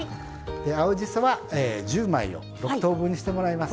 青じそは１０枚を６等分にしてもらいます。